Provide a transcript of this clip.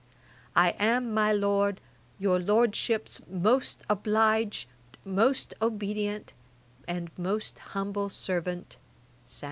I am, my Lord, 'Your Lordship's most obliged, 'Most obedient, and most humble servant, 'SAM.